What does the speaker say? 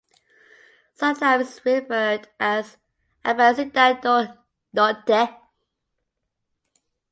Sometimes is referred as Aparecida do Norte.